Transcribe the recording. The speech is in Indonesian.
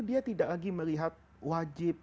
dia tidak lagi melihat wajib